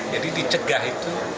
jadi dicegah itu